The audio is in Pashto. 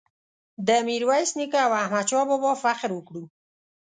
د میرویس نیکه او احمد شاه بابا فخر وکړو.